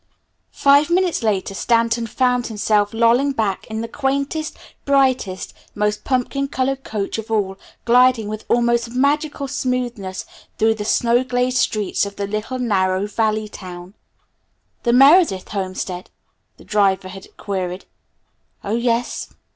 Five minutes later, Stanton found himself lolling back in the quaintest, brightest, most pumpkin colored coach of all, gliding with almost magical smoothness through the snow glazed streets of the little narrow, valley town. "The Meredith homestead?" the driver had queried. "Oh, yes.